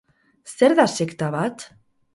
Zer da sekta bat?